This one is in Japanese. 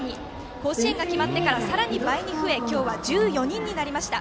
甲子園が決まってからさらに倍に増え今日は１４人になりました。